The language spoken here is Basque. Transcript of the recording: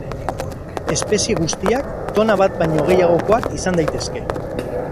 Espezie guztiak tona bat baino gehiagokoak izan daitezke.